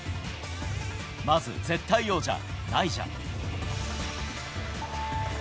まず絶対王者、ナイジャ。